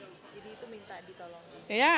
jadi itu minta ditolong